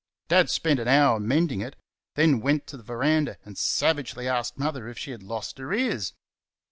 Dad spent an hour mending it; then went to the verandah and savagely asked Mother if she had lost her ears.